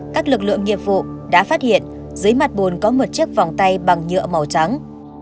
các lực lượng nghiệp vụ đã phát hiện dưới mặt bùn có một chiếc vòng tay bằng nhựa màu trắng